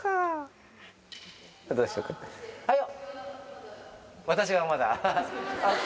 はい。